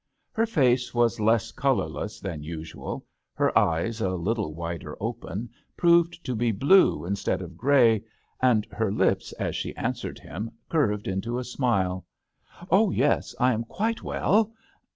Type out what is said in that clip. Her face was less colourless than usual, her eyes, a little wider open, proved to be blue instead of grey, and her lips as she answered him curved into a smile. "Oh yes, I am quite well.